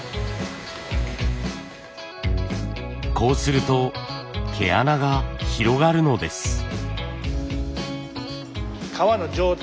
こうすると毛穴が広がるのです。